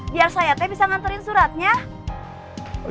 biar saya teh bisa nganterin suratnya